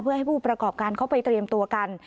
เพื่อให้ผู้ประกอบการเขาไปเตรียมตัวกัน